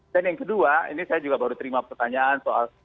dan yang kedua ini saya juga baru terima pertanyaan soal